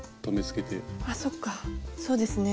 あっそっかそうですね。